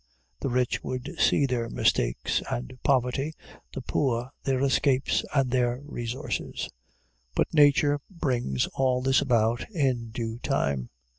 The rich would see their mistakes and poverty, the poor their escapes and their resources. But nature brings all this about in due time.